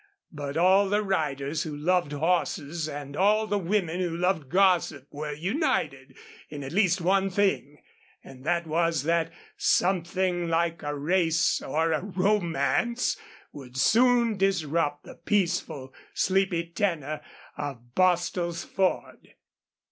But all the riders who loved horses and all the women who loved gossip were united in at least one thing, and that was that something like a race or a romance would soon disrupt the peaceful, sleepy tenor of Bostil's Ford.